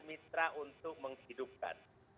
mitra untuk menghidupkan